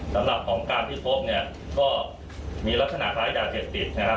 สำหรับของการที่พบเนี่ยก็มีลักษณะคล้ายยาเสพติดนะครับ